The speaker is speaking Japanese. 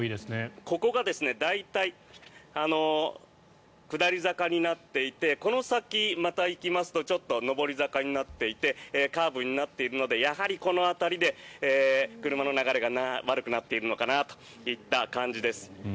ここが大体、下り坂になっていてこの先、また行きますとちょっと上り坂になっていてカーブになっているのでやはりこの辺りで車の流れが悪くなっているのかなといった感じです。